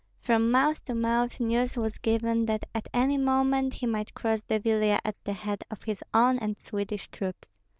From mouth to mouth news was given that at any moment he might cross the Vilia at the head of his own and Swedish troops.